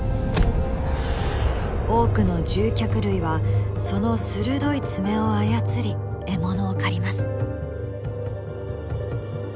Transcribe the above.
多くの獣脚類はその鋭い爪を操り獲物を狩ります。